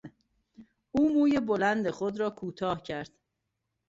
او موی بلند خود را کوتاه کرد.